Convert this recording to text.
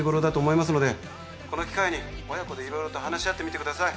☎この機会に親子で色々と話し合ってみてください。